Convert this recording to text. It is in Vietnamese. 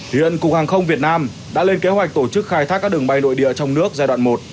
hiện cục hàng không việt nam đã lên kế hoạch tổ chức khai thác các đường bay nội địa trong nước giai đoạn một